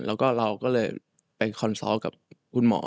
แล้วก็เราก็เลยไปคอนซอล์กับคุณหมอ